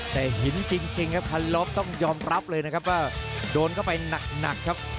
แต่หินจริงครับคันลบต้องยอมรับเลยนะครับว่าโดนเข้าไปหนักครับ